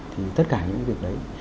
thì tất cả những việc đấy